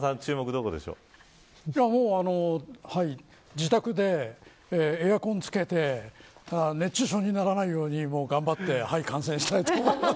自宅でエアコンをつけて熱中症にならないように頑張って観戦したいと思います。